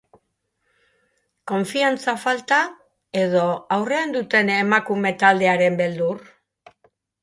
Konfiantza falta edo aurrean duten emakume-taldearen beldur?